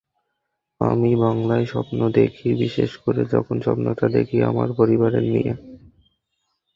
আমি বাংলায় স্বপ্ন দেখি, বিশেষ করে যখন স্বপ্নটা দেখি আমার পরিবার নিয়ে।